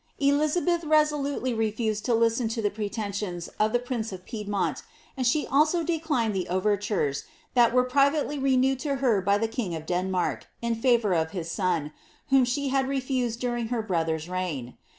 Elizabeth resolutely refused to listen to the pretensions of the prince of Piedmont, and she also declined the overtures, that were privately renewed to her by the king of Denmark, in favour of his son, whom she had refused during her brother's reign.